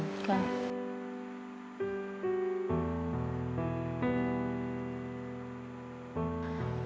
ครับ